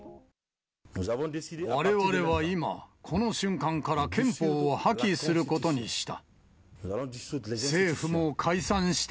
われわれは今、この瞬間から憲法を破棄することにした。